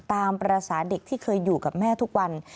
ตามภาษาเด็กที่เคยอยู่กับแม่ทุกวัน